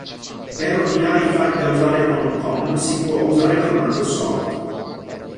Per ordinare i file da usare con "comm" si può usare il comando sort.